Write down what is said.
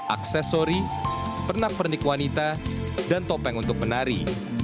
aksesori pernak pernik wanita dan topeng untuk menari